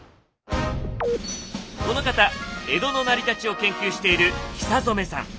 この方江戸の成り立ちを研究している久染さん。